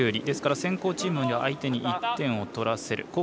ですから、先攻のチームの相手に１点を取らせる。